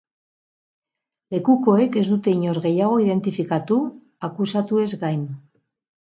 Lekukoek ez dute inor gehiago identifikatu, akusatuez gain.